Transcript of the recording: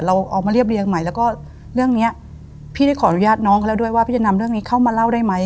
เราออกมาเรียบเรียงใหม่แล้วก็เรื่องเนี้ยพี่ได้ขออนุญาตน้องเขาแล้วด้วยว่าพี่จะนำเรื่องนี้เข้ามาเล่าได้ไหม